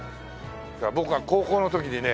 僕が高校の時にね